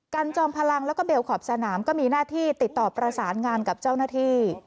จอมพลังแล้วก็เบลขอบสนามก็มีหน้าที่ติดต่อประสานงานกับเจ้าหน้าที่